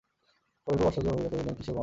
পরেশবাবু আশ্চর্য হইয়া কহিলেন, কিসের বন্ধন?